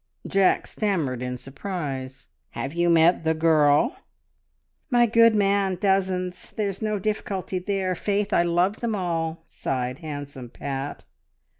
Jack stammered in surprise. "Have you met the girl?" "My good man! Dozens! There's no difficulty there. Faith, I love them all!" sighed handsome Pat.